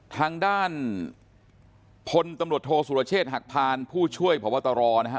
ทางด้านพลตำรวจโทษสุรเชษฐ์หักพานผู้ช่วยพบตรนะฮะ